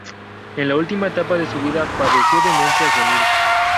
En la última etapa de su vida padeció demencia senil.